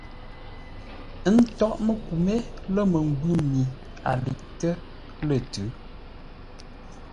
Ə́ ntôghʼ məku mé lə̂ məngwʉ̂ mi a liʼtə́ lə̂ tʉ̌.